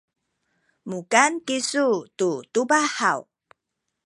mukan kisu tu tubah haw?